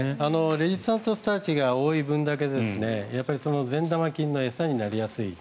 レジスタントスターチが多い分だけ善玉菌の餌になりやすい。